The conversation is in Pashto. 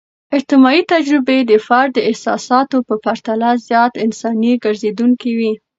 اجتماعي تجربې د فرد د احساساتو په پرتله زیات انساني ګرځیدونکي وي.